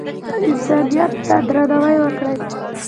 انسانیت ته درناوی وکړئ